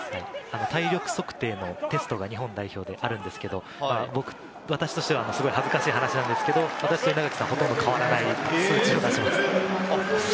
体力測定のテストが日本代表にはあるんですけれど、私としてはすごい恥ずかしい話なんですけれど、私と稲垣さんは、ほとんど変わらない数値を出します。